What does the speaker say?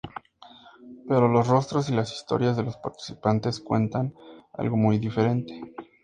Pero los rostros y las historias de los participantes cuentan algo muy diferente.